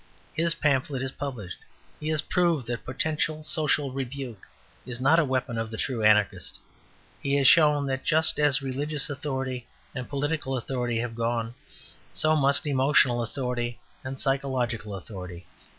His pamphlet is published. He has proved that Potential Social Rebuke is not a weapon of the true Anarchist. He has shown that just as religious authority and political authority have gone, so must emotional authority and psychological authority.